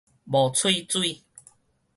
無喙水